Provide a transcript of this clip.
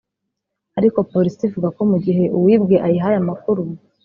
ariko polisi ivuga ko mu gihe uwibwe ayihaye amakuru